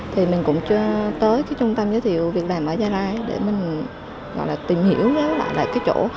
thì mình cũng tới cái trung tâm dịch vụ việc làm ở gia lai để mình tìm hiểu ra lại cái chỗ